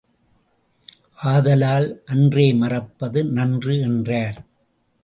ஆதலால், அன்றே மறப்பது நன்று என்றார்.